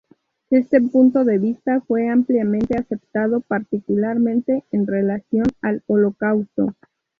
Este punto de vista fue ampliamente aceptado, particularmente en relación al Holocausto.